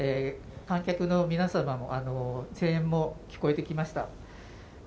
観客の皆さんの声援も聞こえてきました。